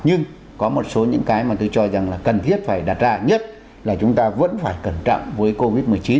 nhưng có một số những cái mà tôi cho rằng là cần thiết phải đặt ra nhất là chúng ta vẫn phải cẩn trọng với covid một mươi chín